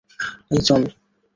এই, চল।